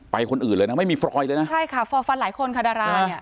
คนอื่นเลยนะไม่มีฟรอยเลยนะใช่ค่ะฟอร์ฟันหลายคนค่ะดาราเนี่ย